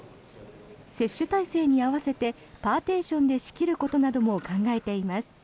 接種体制に合わせてパーティションで仕切ることなども考えています。